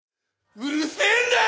うるせえんだよ！